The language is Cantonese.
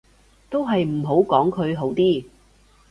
都係唔好講佢好啲